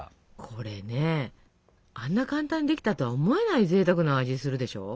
これねあんな簡単にできたとは思えないぜいたくな味するでしょ？